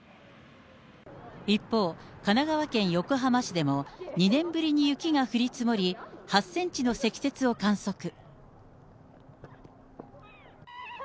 一方、神奈川県横浜市でも、２年ぶりに雪が降り積もり、８センチの積雪を観測。